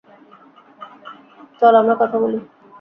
চল আমরা কথা বলি।